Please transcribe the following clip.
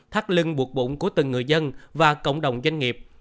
thắt lưng buộc bụng của từng người dân và cộng đồng doanh nghiệp